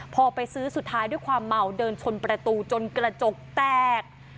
พอไปซื้อสุดท้ายด้วยความเมาเดินชนประตูจนกระจกแตก